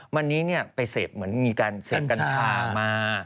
วันนี้ไปเสพเหมือนมีการเสพกัญชามา